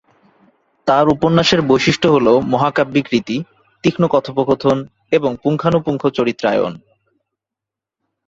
তার উপন্যাসের বৈশিষ্ট্য হলো মহাকাব্যিক রীতি, তীক্ষ্ণ কথোপকথন এবং পুঙ্খানুপুঙ্খ চরিত্রায়ন।